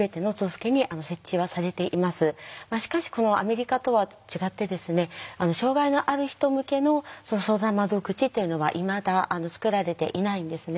しかしこのアメリカとは違って障害のある人向けの相談窓口というのはいまだ作られていないんですね。